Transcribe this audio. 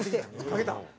かけたん？